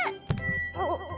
あっ。